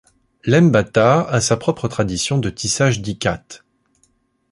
Lembata a sa propre tradition de tissage d'ikat.